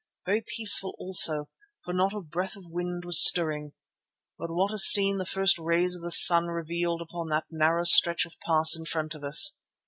Very peaceful also, for not a breath of wind was stirring. But what a scene the first rays of the sun revealed upon that narrow stretch of pass in front of us.